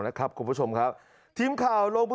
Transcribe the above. แล้วก็มีลูกหลานแล้วก็มีพระอุปถาคที่เป็นทีมใหม่